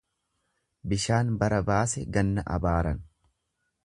Bishaan bara baase ganna abaaran.